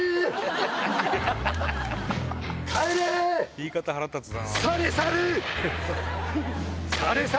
言い方腹立つな。